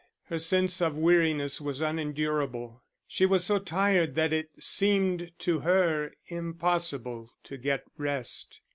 Her sense of weariness was unendurable she was so tired that it seemed to her impossible to get rest.